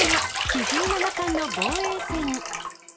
藤井七冠の防衛戦。